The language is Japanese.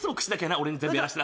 俺に全部やらせてな。